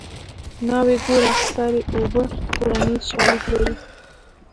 ناوې ګوره سر یې اوبه ټولنیز شالید لري